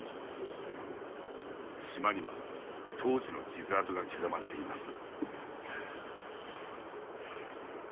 島には、当時の傷痕が刻まれています。